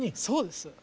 そうです。